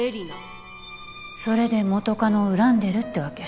それで元カノを恨んでるってわけ。